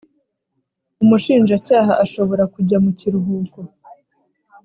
Umushinjacyaha ashobora kujya mu kiruhuko